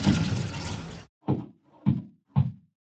د خپرونې په دې برخه کې له ښاغلي